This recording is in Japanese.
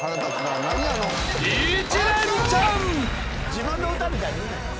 自分の歌みたいに言うなよ。